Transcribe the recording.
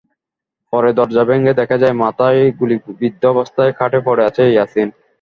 পরে দরজা ভেঙে দেখা যায়, মাথায় গুলিবিদ্ধ অবস্থায় খাটে পড়ে আছে ইয়াসিন।